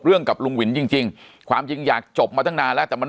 เรื่องกับลุงหวินจริงความจริงอยากจบมาตั้งนานแล้วแต่มัน